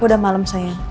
udah malem sayang